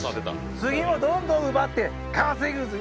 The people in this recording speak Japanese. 次もどんどん奪って稼ぐぜ！